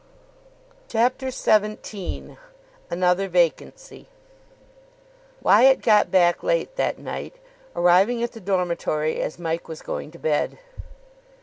CHAPTER XVII ANOTHER VACANCY Wyatt got back late that night, arriving at the dormitory as Mike was going to bed.